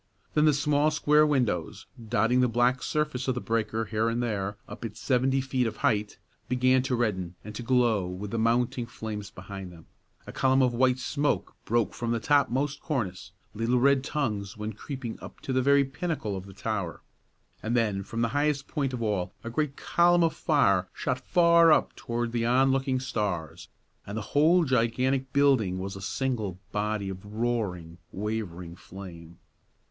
Then the small square windows, dotting the black surface of the breaker here and there up its seventy feet of height, began to redden and to glow with the mounting flames behind them; a column of white smoke broke from the topmost cornice, little red tongues went creeping up to the very pinnacle of the tower, and then from the highest point of all a great column of fire shot far up toward the onlooking stars, and the whole gigantic building was a single body of roaring, wavering flame.